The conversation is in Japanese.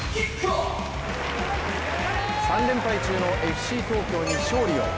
３連敗中のＦＣ東京に勝利を。